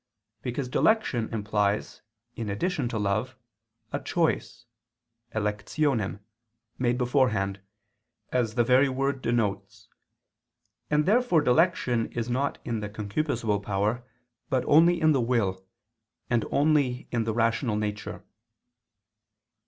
Because dilection implies, in addition to love, a choice (electionem) made beforehand, as the very word denotes: and therefore dilection is not in the concupiscible power, but only in the will, and only in the rational nature.